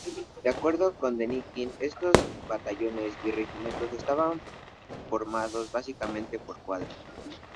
De acuerdo con Denikin, estos batallones y regimientos estaban formados básicamente por cuadros.